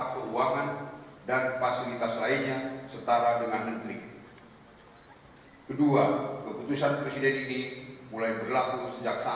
lalu kebangsaan indonesia baik